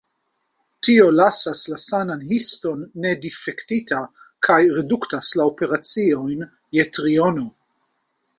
Tio lasas la sanan histon nedifektita kaj reduktas la operaciojn je triono.